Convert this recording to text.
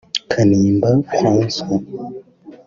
Kanimba Francois